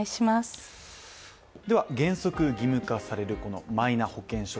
原則義務化される、このマイナ保険証。